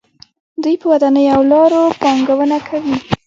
دوی په ودانیو او لارو پانګونه کوي.